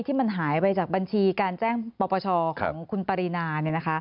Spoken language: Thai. ที่มันหายไปจากบัญชีการแจ้งปปชของคุณปรินา